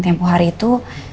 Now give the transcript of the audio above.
tempoh hari itu